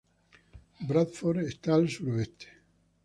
Bradford está al suroeste.